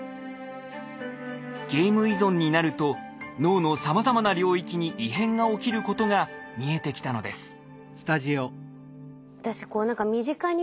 ゲーム依存になると脳のさまざまな領域に異変が起きることが見えてきたのです。